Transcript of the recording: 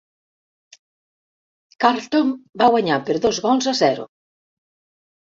Carlton va guanyar per dos gols a zero.